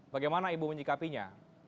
bagaimana ibu menyikapinya